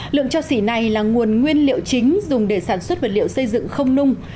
lượng cho xỉ này là nguồn nguyên liệu chính dùng để sản xuất vật liệu xây dựng không nung